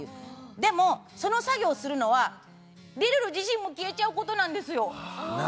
でも、その作業をするのはリルル自身も消えちゃうことなんですよ。